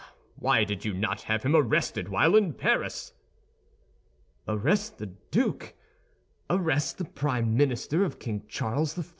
Why did you not have him arrested while in Paris?" "Arrest the Duke! Arrest the prime minister of King Charles I.!